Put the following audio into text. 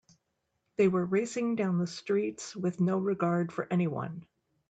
They were racing down the streets with no regard for anyone.